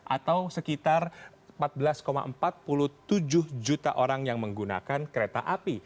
atau sekitar empat belas empat puluh tujuh juta orang yang menggunakan kereta api